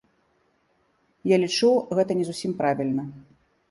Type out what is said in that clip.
Я лічу, гэта не зусім правільна.